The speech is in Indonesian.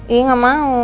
iya gak mau